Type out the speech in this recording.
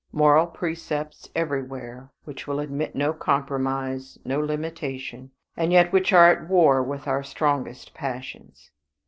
Moral precepts everywhere, which will admit of no compromise, no limitation, and yet which are at war with our strongest passions.